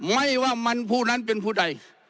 ไม่ว่ามันผู้นั้นเป็นผู้ใด